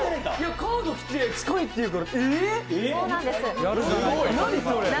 カードきて近いっていうから。